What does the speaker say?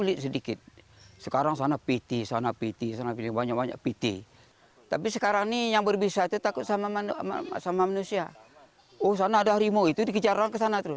itu macam hewan makanan kan